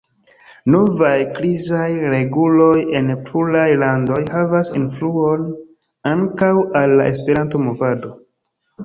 Novaj krizaj reguloj en pluraj landoj havas influon ankaŭ al la Esperanto-movado.